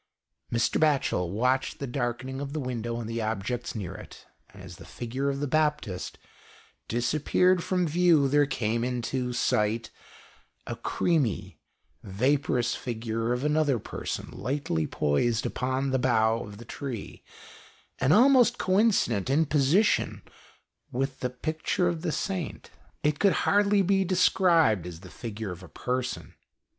Mr. Batchel watched the darkening of the window and the objects near it, and as the figure of the Baptist disappeared from view there came into sight a creamy vaporous figure of another person lightly poised upon the bough of the tree, and almost coincident in position with the picture of the Saint. GHOST TALES. It could hardly be described as the figure of a person.